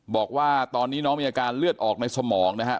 บอกว่าตอนนี้น้องมีอาการเลือดออกในสมองนะฮะ